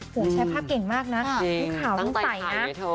โหแชร์ภาพเก่งมากนะจริงตั้งแต่ภายในเท่า